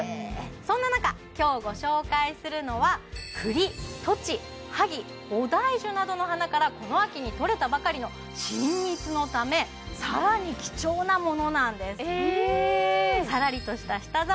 そんな中今日ご紹介するのは栗トチハギ菩提樹などの花からこの秋に採れたばかりの新蜜のため更に貴重なものなんです